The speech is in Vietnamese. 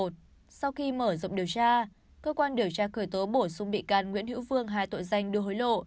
sau khi mở rộng điều tra cơ quan điều tra khởi tố bổ sung bị can nguyễn hữu vương hai tội danh đưa hối lộ